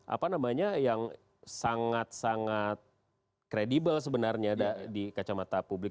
apa namanya yang sangat sangat kredibel sebenarnya di kacamata publik